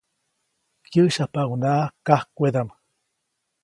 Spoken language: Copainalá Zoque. Kyäsyapaʼuŋnaʼak kajkwedaʼm.